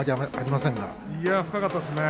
深かったですね。